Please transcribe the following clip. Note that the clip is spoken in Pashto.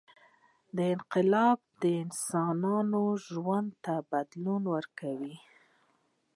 • دا انقلاب د انسانانو ژوند ته بدلون ورکړ.